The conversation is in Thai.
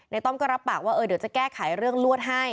ต้อมก็รับปากว่าเดี๋ยวจะแก้ไขเรื่องลวดให้